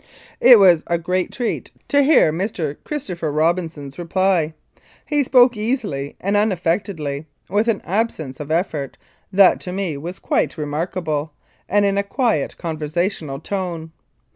It was a great treat to hear Mr. Christopher Robin son's reply. He spoke easily and unaffectedly, with an absence of effort that to me was quite remarkable, and in a quiet conversational tone.